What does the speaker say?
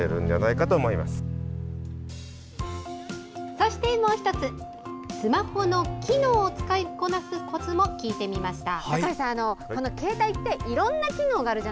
そして、もう１つスマホの機能を使いこなすコツも聞いてみました。